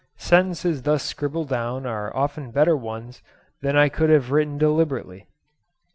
Sentences thus scribbled down are often better ones than I could have written deliberately.